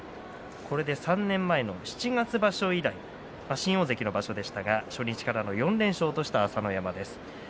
これで３年前の七月場所以来新大関の場所でした初日から４連勝とした朝乃山です。